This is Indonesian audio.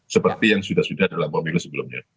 seperti yang sudah sudah dalam pemilu sebelumnya